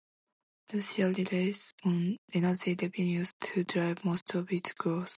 Russia relies on energy revenues to drive most of its growth.